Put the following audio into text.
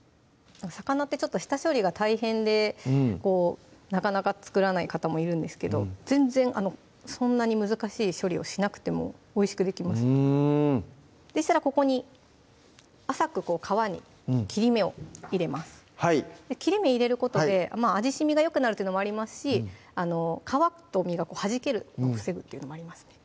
魚ってちょっと下処理が大変でなかなか作らない方もいるんですけど全然そんなに難しい処理をしなくてもおいしくできますしたらここに浅く皮に切り目を入れます切り目入れることで味しみがよくなるというのもありますし皮と身がはじけるのを防ぐっていうのもありますね